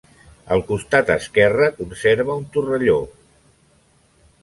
Al costat esquerre conserva un torrelló.